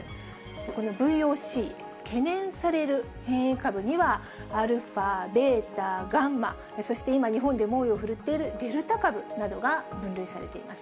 このＶＯＣ・懸念される変異株には、アルファ、ベータ、ガンマ、そして今、日本で猛威を振るっているデルタ株などが分類されています。